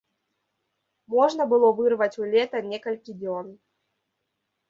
Можна было вырваць у лета некалькі дзён.